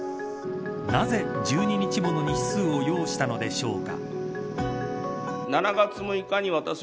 なぜ１２日もの日数を要したのでしょうか。